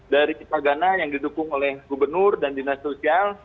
dari pipagana yang didukung oleh gubernur dan dinas sosial